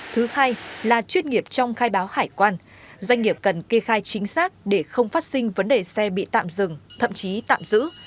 thứ hai là chuyên nghiệp trong khai báo hải quan doanh nghiệp cần kê khai chính xác để không phát sinh vấn đề xe bị tạm dừng thậm chí tạm giữ